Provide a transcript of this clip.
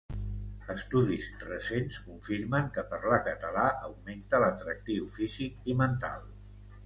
Estudis recents confirmen que parlar català augmenta l'atractiu físic i mental.